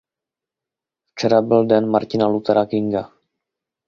Včera byl Den Martina Luthera Kinga.